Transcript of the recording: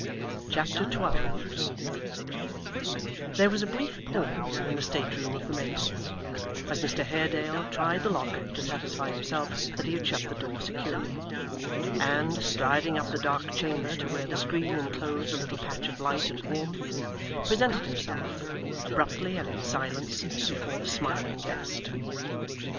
Chapter 12 There was a brief pause in the state room of the Maypole, as Mr Haredale tried the lock to satisfy himself that he had shut the door securely, and, striding up the dark chamber to where the screen inclosed a little patch of light and warmth, presented himself, abruptly and in silence, before the smiling guest.